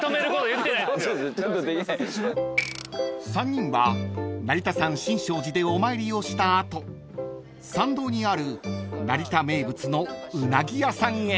［３人は成田山新勝寺でお参りをした後参道にある成田名物のうなぎ屋さんへ］